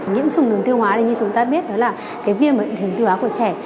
nhiễm trùng đường tiêu hóa như chúng ta biết là viên mệnh tiêu hóa của trẻ